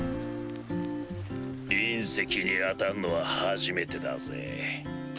隕石に当たんのは初めてだぜ。